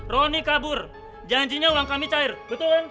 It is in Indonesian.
roni kabur janjinya uang kami cair betul